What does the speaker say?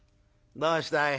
「どうしたい？